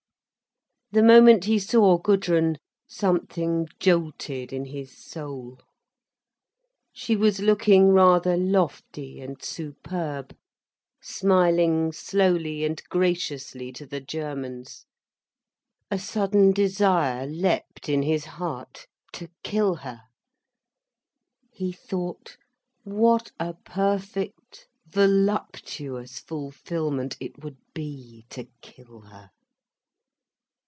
The moment he saw Gudrun something jolted in his soul. She was looking rather lofty and superb, smiling slowly and graciously to the Germans. A sudden desire leapt in his heart, to kill her. He thought, what a perfect voluptuous fulfilment it would be, to kill her.